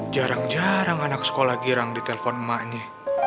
jarang jarang anak sekolah girang ditelepon emaknya